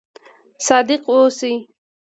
صادق اوسئ